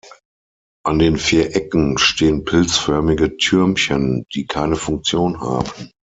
An den vier Ecken stehen pilzförmige Türmchen, die keine Funktion haben.